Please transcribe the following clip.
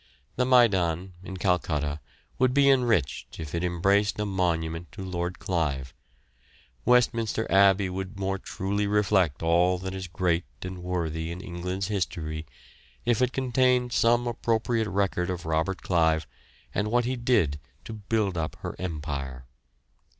The Maidan, in Calcutta, would be enriched if it embraced a monument to Lord Clive. Westminster Abbey would more truly reflect all that is great and worthy in England's history if it contained some appropriate record of Robert Clive and what he did to build up her empire.